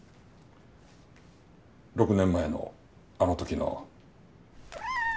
６年前のあの時の。